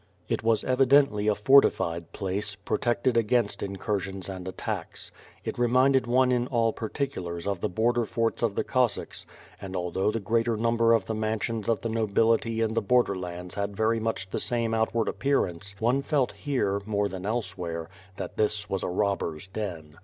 It was evidently a fortified place, protected against incur sions and attacks. It reminded one in all particulars of the border forts of the Cossacks, and although the greater num ber of the mansions of the nobility in the border lands had very much the same outward appearance, one felt here, more than elsewhere, that this was a robber's den.